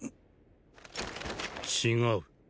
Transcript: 違う。